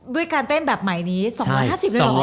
ด้วยการเต้นแบบใหม่นี้๒๕๐เลยเหรอคะ